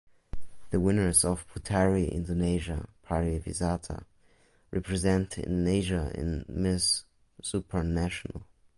The winners of Puteri Indonesia Pariwisata represent Indonesia in Miss Supranational.